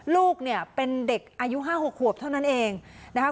ลูกเนี่ยเป็นเด็กอายุ๕๖ขวบเท่านั้นเองนะคะ